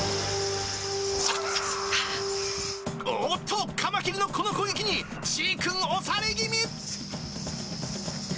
おっと、カマキリのこの攻撃に、ちぃくん、押され気味。